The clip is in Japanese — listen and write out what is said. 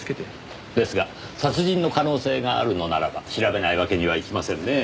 ですが殺人の可能性があるのならば調べないわけにはいきませんねぇ。